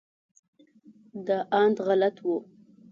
دا اند غلط و.